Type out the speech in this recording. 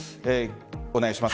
お願いします。